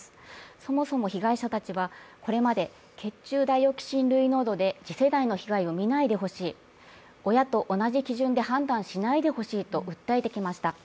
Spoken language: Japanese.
そもそも被害者たちは、これまで血中ダイオキシン類濃度で次世代の被害を見ないでほしい、親と同じ基準で判断しないでほしいと訴えてきました。